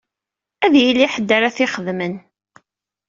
Ad yili ḥedd ara t-ixedmen.